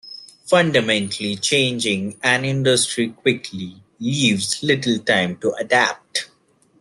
Fundamentally changing an industry quickly, leaves little time to adapt.